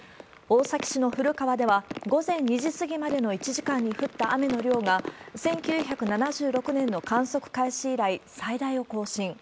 大崎市の古川では、午前２時過ぎまでの１時間に降った雨の量が、１９７６年の観測開始以来最大を更新。